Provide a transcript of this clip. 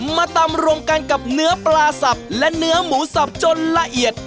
มาตำรวมกันกับเนื้อปลาสับและเนื้อหมูสับจนละเอียด